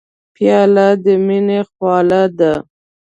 پیاله د مینې خواله ده.